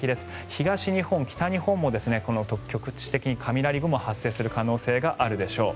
東日本、北日本も局地的に雷雲が発生する可能性があるでしょう。